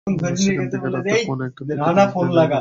সেখান থেকে রাত পৌনে একটার দিকে তিনি গ্রিন রোডের বাসায় ফিরছিলেন।